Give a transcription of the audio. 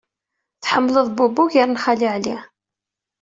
Tḥemmleḍ Bob ugar n Xali Ɛli.